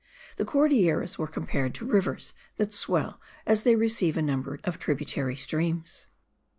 The Cordilleras were compared to rivers that swell as they receive a number of tributary streams.